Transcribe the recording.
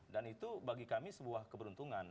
dan itu bagi kami sebuah keberuntungan